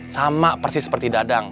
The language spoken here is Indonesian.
sama persis seperti dadang